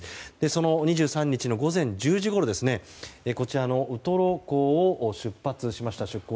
その２３日の午前１０時ごろウトロ港を出港しました。